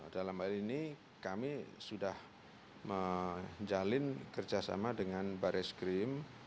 dalam hal ini kami sudah menjalin kerjasama dengan baris krim